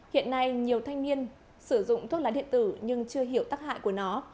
hiện nay nhiều thanh niên sử dụng thuốc lá điện tử nhưng chưa hiểu tác hại của nó